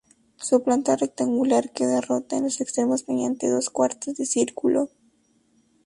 Su planta rectangular queda rota en los extremos mediante dos cuartos de círculo.